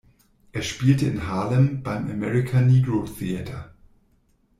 Er spielte in Harlem beim "America Negro Theatre".